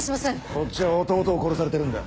こっちは弟を殺されてるんだ。